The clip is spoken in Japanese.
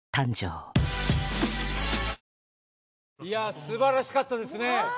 いやぁすばらしかったですね。